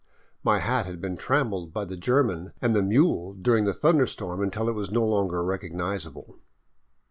My hat had been trampled by the German and the mule during the thunder storm until it was no longer recognizable.